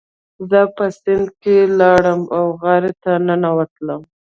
زه په سیند کې لاړم او غار ته ننوتلم.